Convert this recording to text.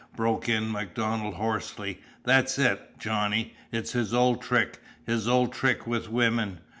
broke in MacDonald hoarsely. "That's it, Johnny! It's his old trick his old trick with women.